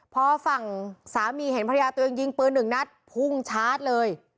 พอฝั่งสามีเห็นภรรยาตัวเองยิงปืนหนึ่งนัดพุ่งชาร์จเลย